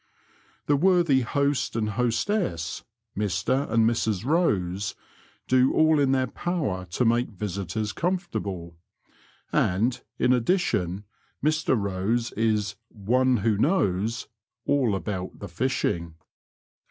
The worthy host and hostess, Mr and Mrs Bose, do all in their power to make visitors comfortable, and, in addition, Mr Bose is '' one who knows '' all about the fishing.